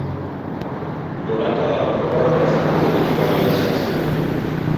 Gorakada orokorra jasan du elikagaien saskiak.